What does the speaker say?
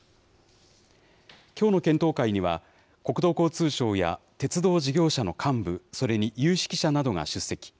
きょうの検討会には、国土交通省や鉄道事業者の幹部、それに有識者などが出席。